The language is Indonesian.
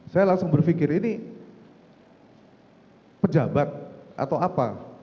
saya langsung berpikir ini pejabat atau apa